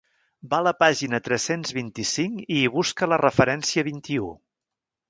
Va a la pàgina tres-cents vint-i-cinc i hi busca la referència vint-i-u.